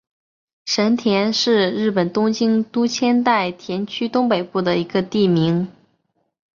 神田是日本东京都千代田区东北部的一个地名。